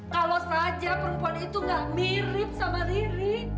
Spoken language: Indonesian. kalau saja perempuan itu gak mirip sama riri